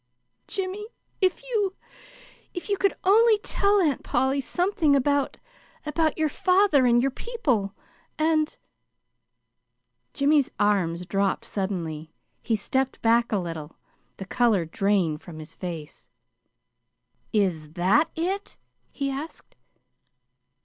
"Jimmy, if you if you could only tell Aunt Polly something about about your father, and your people, and " Jimmy's arms dropped suddenly. He stepped back a little. The color drained from his face. "Is that it?" he asked.